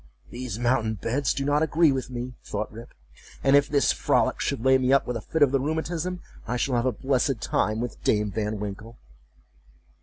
"These mountain beds do not agree with me," thought Rip; "and if this frolic should lay me up with a fit of the rheumatism, I shall have a blessed time with Dame Van Winkle."